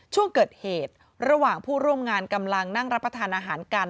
ช่วงเกิดเหตุระหว่างผู้ร่วมงานกำลังนั่งรับประทานอาหารกัน